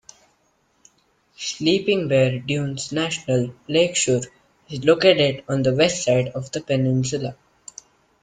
Sleeping Bear Dunes National Lakeshore is located on the west side of the peninsula.